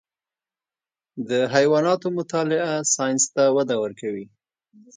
د حیواناتو مطالعه ساینس ته وده ورکوي.